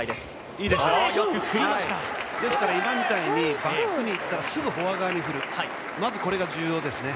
今みたいに逆にいったらすぐフォア側に振る、まずこれが重要ですね。